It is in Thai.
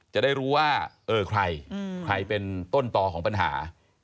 จะได้รู้ว่าเออใครใครเป็นต้นต่อของปัญหา